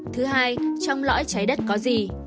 thứ hai trong lõi trái đất có gì